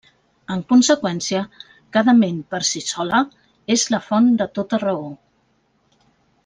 En conseqüència, cada ment per si sola és la font de tota raó.